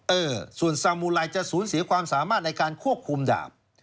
เออส่วนสามูไรจะสูญเสียความสามารถในการควบคุมดาบ